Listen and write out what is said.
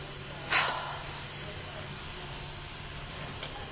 はあ。